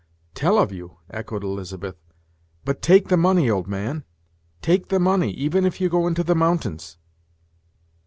"Tell of you!" echoed Elizabeth. "But take the money, old man; take the money, even if you go into the mountains."